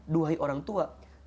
doai orang tua